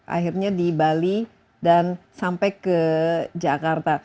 akhirnya di bali dan sampai ke jakarta